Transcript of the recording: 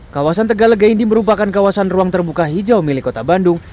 kawasan tegalega ini merupakan kawasan ruang terbuka hijau milik kota bandung